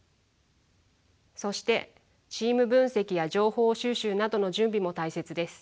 そしてチーム分析や情報収集などの準備も大切です。